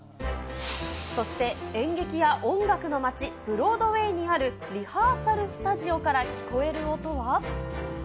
そして、演劇や音楽の街、ブロードウェイにあるリハーサルスタジオから聞こえる音は。